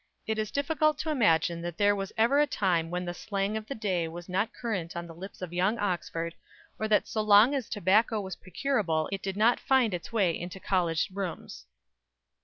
It is difficult to imagine that there was ever a time when the slang of the day was not current on the lips of young Oxford, or that so long as tobacco was procurable it did not find its way into college rooms.